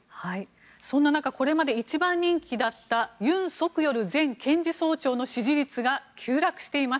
そんな中これまで１番人気だったユン・ソクヨル検事総長の人気が急落しています。